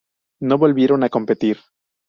No volvieron a competir.